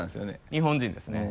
日本人ですね。